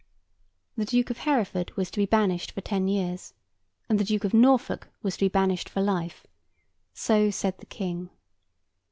The Duke of Hereford was to be banished for ten years, and the Duke of Norfolk was to be banished for life. So said the King.